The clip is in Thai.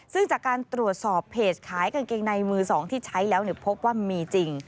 ซึ่งจากการตรวจสอบเพจขายกางเกงในมือสองที่ใช้แล้วพบว่ามีจริง